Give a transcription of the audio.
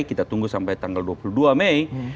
kita tunggu sampai tanggal dua puluh dua mei